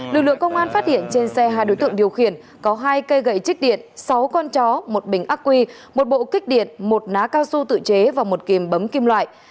lực lượng công an phát hiện trên xe hai đối tượng điều khiển có hai cây gậy chích điện sáu con chó một bình ác quy một bộ kích điện một ná cao su tự chế và một kìm bấm kim loại